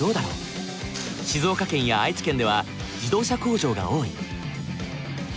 静岡県や愛知県では自動車工場が多い。